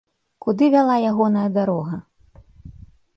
Куды вяла ягоная дарога?